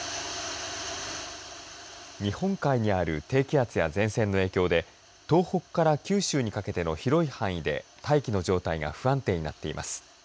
日本海にある低気圧や前線の影響で東北から九州にかけての広い範囲で大気の状態が不安定になっています。